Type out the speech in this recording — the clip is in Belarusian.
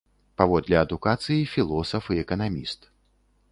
Паводле адукацыі філосаф і эканаміст.